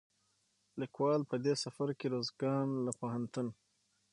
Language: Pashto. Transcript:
ليکوال په دې سفر کې روزګان له پوهنتون،